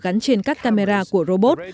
gắn trên các camera của robot